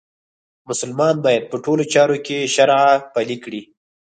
مسلمان باید په ټولو چارو کې شرعه پلې کړي.